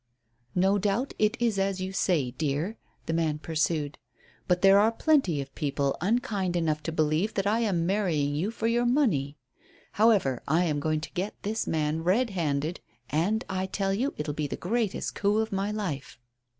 "No doubt it is as you say, dear," the man pursued; "but there are plenty of people unkind enough to believe that I am marrying you for your money. However, I am going to get this man red handed, and, I tell you, it will be the greatest coup of my life."